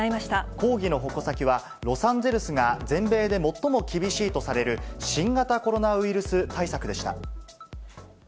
抗議の矛先はロサンゼルスが全米で最も厳しいとされる新型コロナウイルス対策でした。